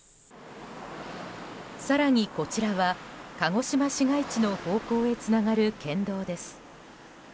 更にこちらは鹿児島市街地の方向へつながる県道です。